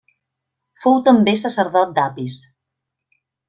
Fou també sacerdot d'Apis.